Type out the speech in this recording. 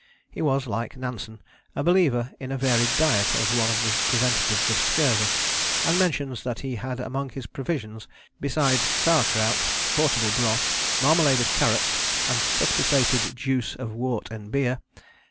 He was, like Nansen, a believer in a varied diet as one of the preventives of scurvy, and mentions that he had among his provisions "besides Saur Krout, Portable Broth, Marmalade of Carrots and Suspissated juice of Wort and Beer."